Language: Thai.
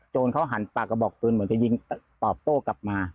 จนเขาหันปากกระบอกปืนเหมือนจะยิงตอบโต้กลับมา